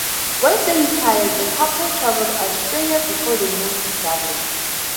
When they retired the couple travelled Australia before they moved to Dublin.